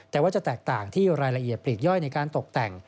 แต่ว่าจะแตกต่างที่รายละเอียดปลีกย่อยในการตกแต่ง